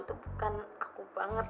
itu bukan aku banget